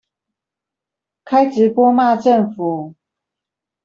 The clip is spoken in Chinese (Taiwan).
開直播罵政府